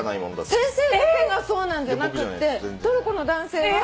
先生だけがそうなんじゃなくてトルコの男性は。